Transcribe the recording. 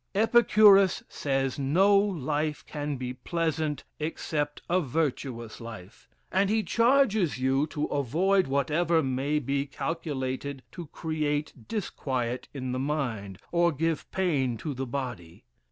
Epicurus says, no life can be pleasant except a virtuous life; and he charges you to avoid whatever maybe calculated to create disquiet in the mind, or give pain to the body.